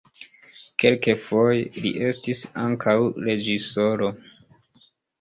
Kelkfoje li estis ankaŭ reĝisoro.